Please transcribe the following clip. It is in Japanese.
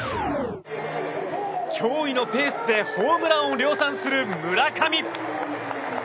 驚異のペースでホームランを量産する村上。